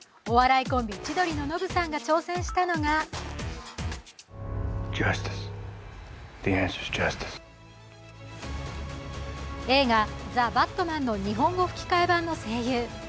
お笑いコンビの千鳥のノブさんが挑戦したのが映画「ＴＨＥＢＡＴＭＡＮ−ザ・バットマン−」の日本語吹き替え版の声優。